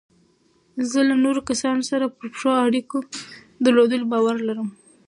زه له نورو کسانو سره پر ښو اړیکو درلودلو باور لرم.